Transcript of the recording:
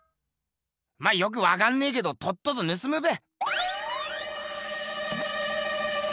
まあよくわかんねえけどとっととぬすむべ。